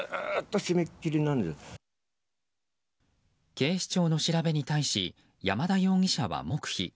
警視庁の調べに対し山田容疑者は黙秘。